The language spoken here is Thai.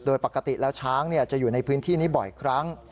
โดยปกติแล้วช้างจะอยู่ในพื้นที่นี้บ่อยครั้ง